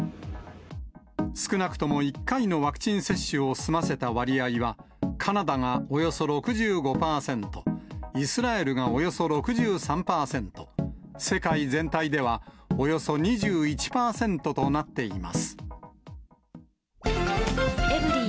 少なくとも１回のワクチン接種を済ませた割合は、カナダがおよそ６５％、イスラエルがおよそ６３％、世界全体ではおよそ２１％となっています。